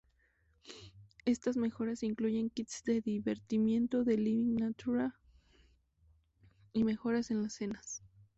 Estas mejoras incluyen kits de divertimento de Living Nature y mejoras en las cenas.